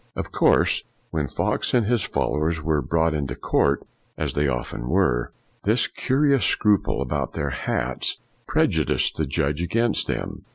Of course, when Fox and his followers were brought into court, as they often were, this curious scruple about their hats FOX 279 prejudiced the judge against them.